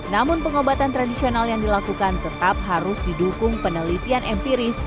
namun pengobatan tradisional yang dilakukan tetap harus didukung penelitian empiris